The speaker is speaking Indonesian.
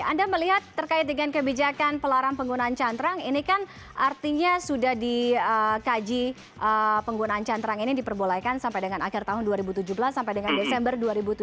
anda melihat terkait dengan kebijakan pelarang penggunaan cantrang ini kan artinya sudah dikaji penggunaan cantrang ini diperbolehkan sampai dengan akhir tahun dua ribu tujuh belas sampai dengan desember dua ribu tujuh belas